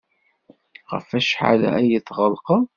Ɣef wacḥal ay tɣellqeḍ?